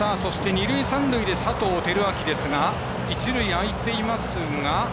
二塁三塁で佐藤輝明ですが一塁空いていますが。